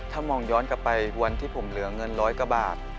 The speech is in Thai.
ถ้ามองย้อนกลับไปวันที่ผมเหลือเงินร้อยกว่าบาท